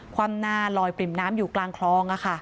ความหน้าลอยปริ่มน้ำอยู่กลางคลอง